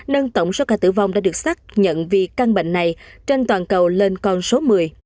nâng tổng số ca tử vong đã được xác nhận vì căn bệnh này trên toàn cầu lên con số một mươi